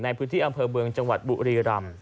ในพื้นที่อำเภอเมืองจังหวัดบุรีรำ